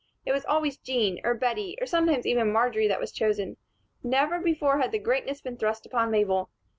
It was always Jean, or Bettie, or sometimes even Marjory that was chosen. Never before had greatness been thrust upon Mabel.